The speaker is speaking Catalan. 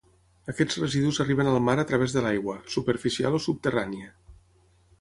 Aquests residus arriben al mar a través de l'aigua, superficial o subterrània.